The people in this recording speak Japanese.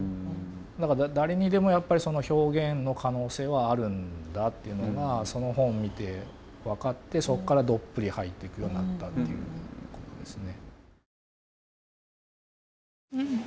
だから誰にでもやっぱりその表現の可能性はあるんだっていうのがその本見て分かってそっからどっぷり入っていくようになったっていうことですね。